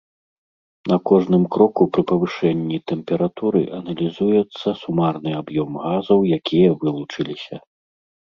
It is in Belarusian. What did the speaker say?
На кожным кроку пры павышэнні тэмпературы аналізуецца сумарны аб'ём газаў, якія вылучыліся.